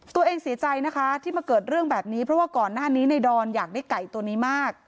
ตัวเองเสียใจนะคะที่มาเกิดเรื่องแบบนี้เพราะว่าก่อนหน้านี้ในดอนอยากได้ไก่ตัวนี้มาก